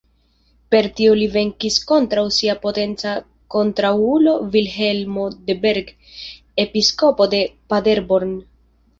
Per tio li venkis kontraŭ sia potenca kontraŭulo Vilhelmo de Berg, episkopo de Paderborn.